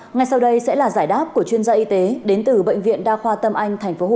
ngay sau đây sẽ là giải đáp của chuyên gia y tế đến từ bệnh viện đa khoa tâm anh tp hcm